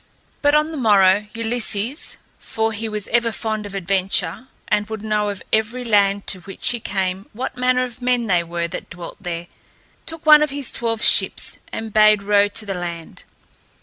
But on the morrow, Ulysses, for he was ever fond of adventure and would know of every land to which he came what manner of men they were that dwelt there, took one of his twelve ships and bade row to the land.